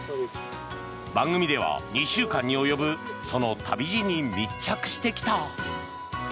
番組では２週間に及ぶその旅路に密着してきた。